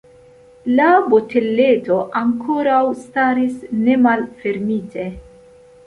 La boteleto ankoraŭ staris nemalfermite.